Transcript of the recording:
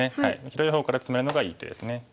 広い方からツメるのがいい手です。